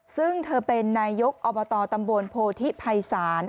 ซึ่งเธอเป็นนายกอบตตำบลโพธิภัยศาล